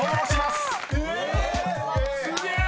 すげえ！